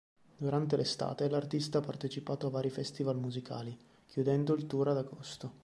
Durante l'estate, l'artista ha partecipato a vari festival musicali, chiudendo il tour ad agosto.